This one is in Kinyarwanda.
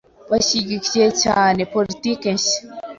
Bashyigikiye cyane. politiki ye nshya .